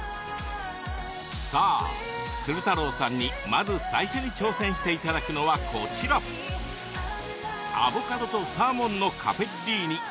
さあ鶴太郎さんに、まず最初に挑戦していただくのはこちらアボカドとサーモンのカペッリーニ。